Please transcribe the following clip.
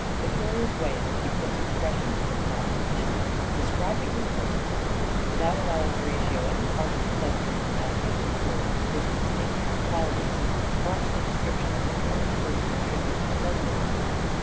The curious way in which he puts expressions into the mouth of Hamlet describing this personality, without allowing Horatio any part in the play which would dramatically unfold his distinctive qualities, marks the description as a purely personal tribute to some living man.